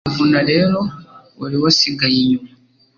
Kavuna rero wari wasigaye inyuma.